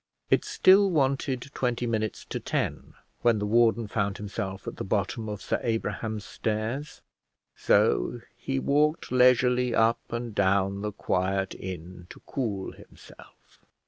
It still wanted twenty minutes to ten when the warden found himself at the bottom of Sir Abraham's stairs, so he walked leisurely up and down the quiet inn to cool himself.